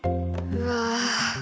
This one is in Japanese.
うわ。